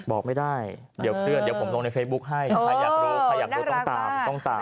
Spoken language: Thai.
บอกไม่ได้เดี๋ยวเคลื่อนเดี๋ยวผมลงในเฟซบุ๊คให้ใครอยากรู้ใครอยากรู้ต้องตามต้องตาม